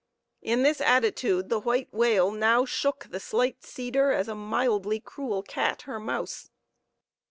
In this attitude the white whale now shook the slight cedar as a mildly cruel cat her mouse.